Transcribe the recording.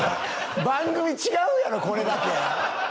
番組違うやろ、これだけ。